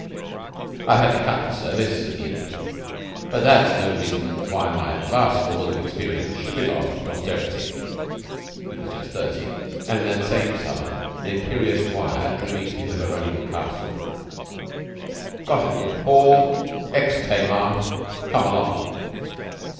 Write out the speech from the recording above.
"I've had to cut the service," said the Infant; "but that's no reason why my vast stores of experience should be lost to posterity." He was just thirty, and in that same summer an imperious wire drew me to his baronial castle: "Got good haul; ex Tamar. Come along."